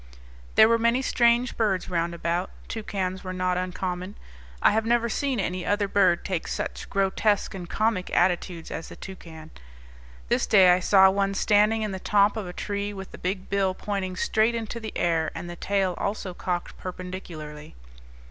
There were many strange birds round about. Toucans were not uncommon. I have never seen any other bird take such grotesque and comic attitudes as the toucan. This day I saw one standing in the top of a tree with the big bill pointing straight into the air and the tail also cocked perpendicularly.